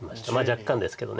若干ですけど。